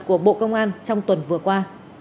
của bộ công an trong tuần vừa qua